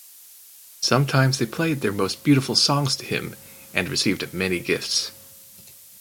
Sometimes they played their most beautiful songs to him and received many gifts.